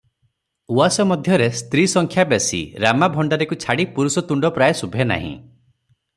ଉଆସ ମଧ୍ୟରେ ସ୍ତ୍ରୀ ସଂଖ୍ୟା ବେଶି, ରାମା ଭଣ୍ଡାରିକୁ ଛାଡ଼ି ପୁରୁଷ ତୁଣ୍ଡ ପ୍ରାୟ ଶୁଭେ ନାହିଁ ।